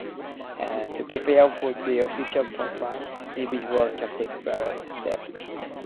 To prepare for their future profession, individuals can take various steps.